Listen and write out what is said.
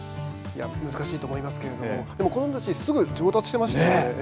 難しいと思いますけれども子どもたちすぐに上達してましたよね。